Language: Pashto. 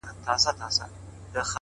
پرمختګ له آرامې سیمې بهر وي،